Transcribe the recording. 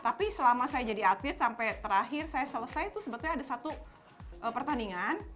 tapi selama saya jadi atlet sampai terakhir saya selesai itu sebetulnya ada satu pertandingan